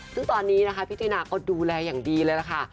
ซึ่งตอนนี้นะคะพี่ตินาก็ดูแลอย่างดีเลยล่ะค่ะ